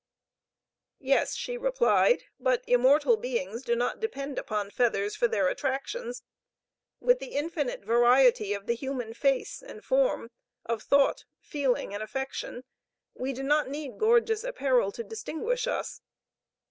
"Yes;" she replied, "but immortal beings do not depend upon feathers for their attractions. With the infinite variety of the human face and form, of thought, feeling and affection, we do not need gorgeous apparel to distinguish us.